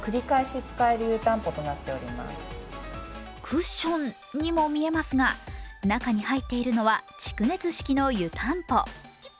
クッションにも見えますが、中に入っているのは蓄熱式の湯たんぽ。